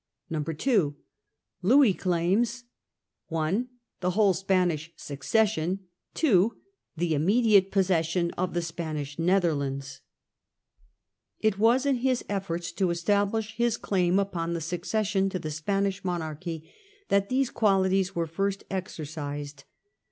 io 6 Louis and Spain. 1661 2. Louis claims (i) the whole Spanish succession, (2) the immediate possession of the Spanish Netherlands. It was in his efforts to establish his claim upon the succession to the Spanish monarchy that these qualities were first exercised.